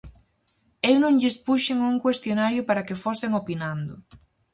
Eu non lles puxen un cuestionario para que fosen opinando.